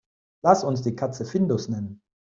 Lass uns die Katze Findus nennen.